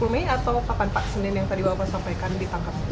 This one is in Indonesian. dua puluh mei atau kapan pak senin yang tadi bapak sampaikan ditangkap